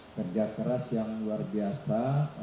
kerja keras yang luar biasa